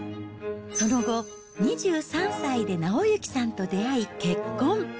その後、２３歳で直行さんと出会い、結婚。